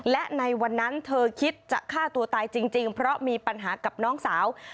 และในวันนั้นเธอคิดจะฆ่าตัวตายจริงเพราะมีปัญหากับน้องสาว